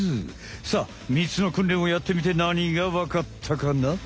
さあ３つのくんれんをやってみてなにがわかったかな？